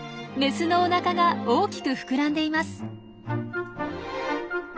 メスのおなかが大きく膨らんでいます。